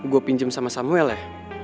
gue pinjam sama samuel ya